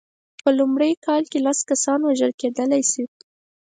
په لومړۍ کال کې لس کسان وژل کېدلای شي.